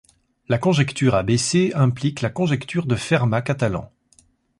La conjecture abc implique la conjecture de Fermat-Catalan.